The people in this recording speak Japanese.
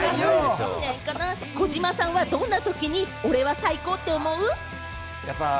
児嶋さんもどんなときに俺は最高！！！って思う？